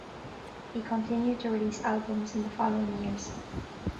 He continued to release albums in the following years.